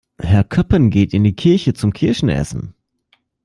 Herr Köppen geht in die Kirche zum Kirschen essen.